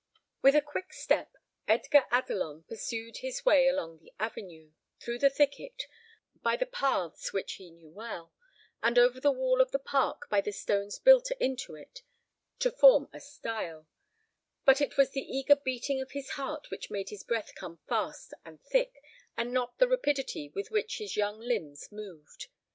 With a quick step Edgar Adelon pursued his way along the avenue, through the thicket, by the paths which he knew well, and over the wall of the park by the stones built into it to form a stile; but it was the eager beating of his heart which made his breath come fast and thick, and not the rapidity with which his young limbs moved.